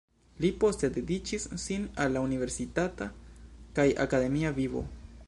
Li poste dediĉis sin al la universitata kaj akademia vivo.